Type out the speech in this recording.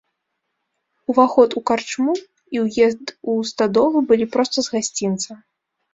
Уваход у карчму і ўезд у стадолу былі проста з гасцінца.